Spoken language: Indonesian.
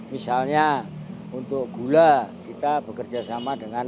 misalnya untuk beras kita bekerja sama dengan pt